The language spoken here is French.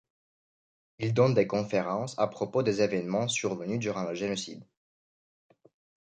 Il donne des conférences à propos des événements survenus durant le génocide.